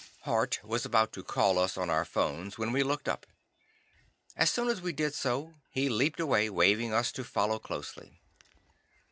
Hart was about to call us on our phones when we looked up. As soon as we did so, he leaped away, waving us to follow closely.